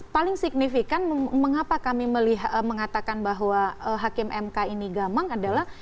paling signifikan mengapa kami mengatakan bahwa hakim mk ini gamang adalah